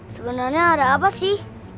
sebenarnya ada apa sih